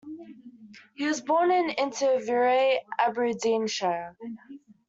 He was born in Inverurie, Aberdeenshire.